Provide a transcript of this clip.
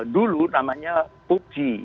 dulu namanya puggi